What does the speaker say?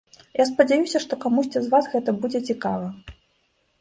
Я спадзяюся, што камусьці з вас гэта будзе цікава.